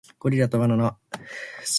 ゴリラとバナナ